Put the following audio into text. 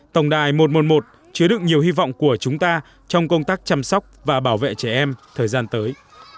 tổng đài một trăm một mươi một chứa được nhiều hy vọng của chúng ta trong công tác chăm sóc và bảo vệ trẻ em thời gian tới